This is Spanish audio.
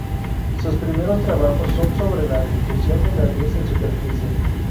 Sus primeros trabajos son sobre la difusión de la luz en superficie.